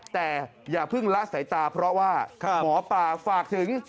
แต่อย่าเพิ่งละสายตาเพราะว่าหมอปลาฝากถึง